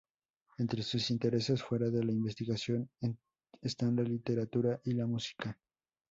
Entre sus intereses fuera de la investigación están la literatura y la música.